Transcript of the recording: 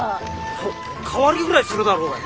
そお代わりぐらいするだろうが！